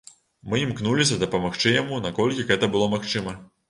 Мы імкнуліся дапамагчы яму наколькі гэта было магчыма.